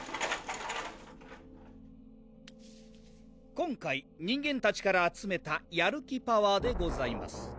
今回人間たちから集めたやる気パワーでございます